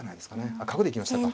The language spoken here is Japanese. あっ角で行きましたか。